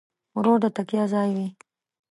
ورور د تکیه ځای وي.